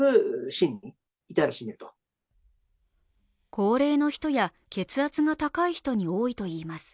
高齢の人や血圧が高い人に多いといいます。